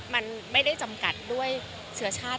มันไม่ได้จำกัดด้วยเชื้อชาติ